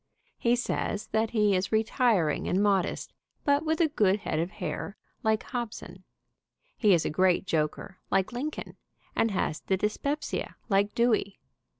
He says that he is retiring and modest, but with a good head of hair, like Hobson. He is a great joker, like Lincoln, and has the dyspepsia, like Dewey.